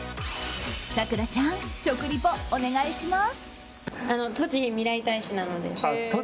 咲楽ちゃん、食リポお願いします。